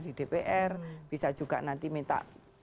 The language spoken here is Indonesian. di dpr bisa juga nanti minta